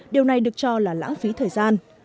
điều này được cho là lãng phí thời gian